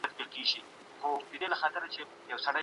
د مهارت لرونکي کارګر مؤلديت د ساده کارګر تر مؤلديت زيات دی.